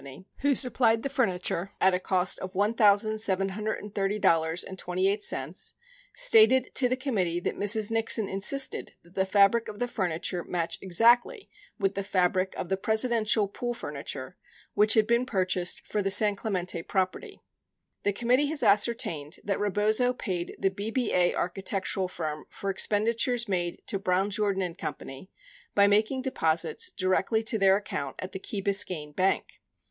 who supplied the furniture at a cost of $1,730.28, stated to the committee that Mrs. Nixon insisted that the fabric of the furniture match exactly with the fabric of the Presidential pool furniture, which had been purchased for the San Clemente property. 96 The committee has ascertained that Rebozo paid the BBA archi tectural firm for expenditures made to Brown Jordan Co. by making deposits directly to their account at the Key Biscayne Bank.